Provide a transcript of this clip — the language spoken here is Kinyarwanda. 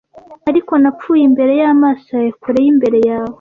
ariko napfuye imbere y'amaso yawe kure y'imbere yawe